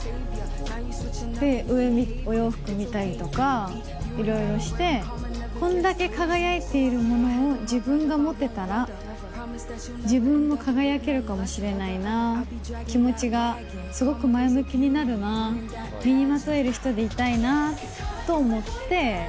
で、上、お洋服見たりとかいろいろして、こんだけ輝いているものを、自分がもてたら、自分も輝けるかもしれないな、気持ちがすごく前向きになるな、身にまとえる人でいたいなと思って。